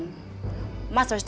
mas harus datang ke sini